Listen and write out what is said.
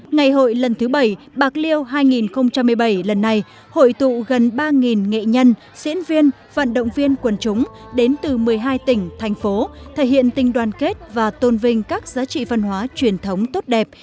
ngày hội lần thứ bảy bạc liêu hai nghìn một mươi bảy lần này hội tụ gần ba nghệ nhân diễn viên vận động viên quần chúng đến từ một mươi hai tỉnh thành phố thể hiện tình đoàn kết và tôn vinh các giá trị văn hóa truyền thống tốt đẹp